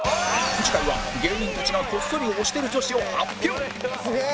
次回は芸人たちがこっそり推してる女子を発表